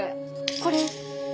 これ。